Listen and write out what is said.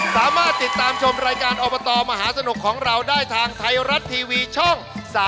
สามารถติดตามชมรายการอบตมหาสนุกของเราได้ทางไทยรัฐทีวีช่อง๓๒